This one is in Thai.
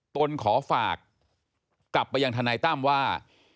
ตนขอฝากกลับไปยังทนายตั้มว่า